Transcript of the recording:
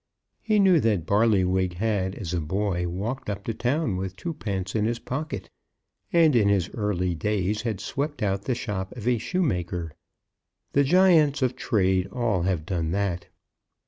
He knew that Barlywig had, as a boy, walked up to town with twopence in his pocket, and in his early days, had swept out the shop of a shoemaker. The giants of trade all have done that.